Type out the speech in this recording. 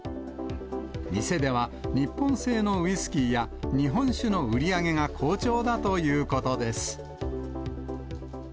店では日本製のウイスキーや日本酒の売り上げが好調だということです。